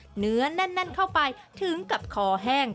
เหนือแน่นเข้าไปถึงกับคอแห้ง